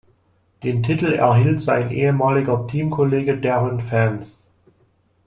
Den Titel erhielt sein ehemaliger Teamkollege Darren Fenn.